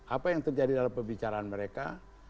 apa yang terjadi dalam pembicaraan mereka